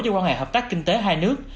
với quan hệ hợp tác kinh tế hai nước